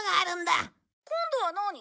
「今度は何？」